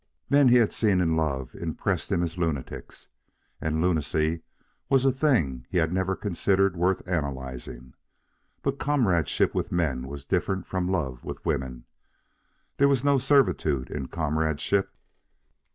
Men he had seen in love impressed him as lunatics, and lunacy was a thing he had never considered worth analyzing. But comradeship with men was different from love with women. There was no servitude in comradeship.